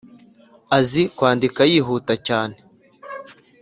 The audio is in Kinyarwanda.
Azi kwandika yihuta cyane